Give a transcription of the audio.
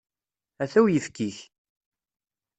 Ata uyefki-k.